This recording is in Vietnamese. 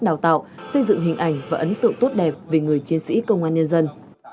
đào tạo xây dựng hình ảnh và ấn tượng tốt đẹp về người chiến sĩ công an nhân dân